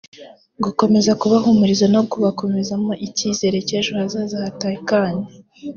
gukomeza kubahumuriza no kubakomezamo icyizere cy’ejo hazaza hatekanye